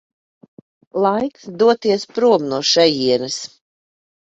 Laiks doties prom no šejienes.